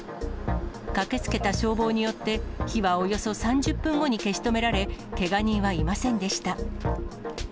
駆けつけた消防によって、火はおよそ３０分後に消し止められ、けが人はいませんでした。